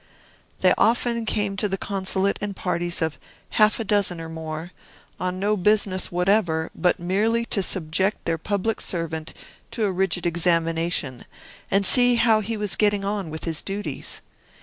They often came to the Consulate in parties of half a dozen or more, on no business whatever, but merely to subject their public servant to a rigid examination, and see how he was getting on with his duties.